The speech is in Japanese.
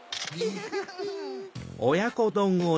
フフフ。